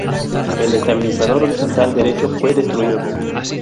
El estabilizador horizontal derecho fue destruido.